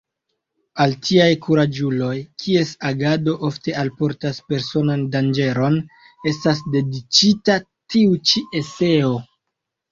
Al tiaj kuraĝuloj, kies agado ofte alportas personan danĝeron, estas dediĉita tiu ĉi eseo.